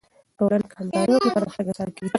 ټولنه که همکاري وکړي، پرمختګ آسانه کیږي.